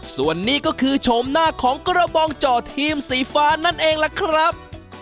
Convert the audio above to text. และนี่ก็คือหน้าตาของกระบองเจาะสีฟ้าไว้ล่ะครับ